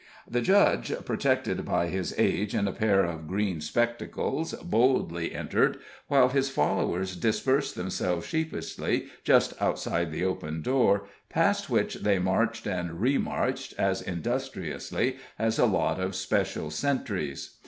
The judge, protected by his age and a pair of green spectacles, boldly entered, while his followers dispersed themselves sheepishly just outside the open door, past which they marched and re marched as industriously as a lot of special sentries.